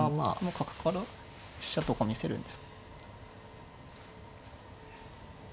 角から飛車とか見せるんですか。